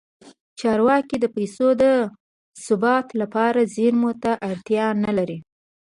چارواکي د پیسو د ثبات لپاره زیرمو ته اړتیا نه لري.